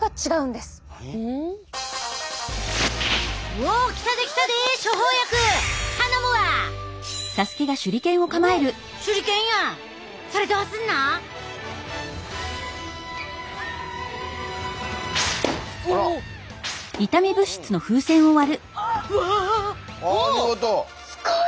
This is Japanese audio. すごい！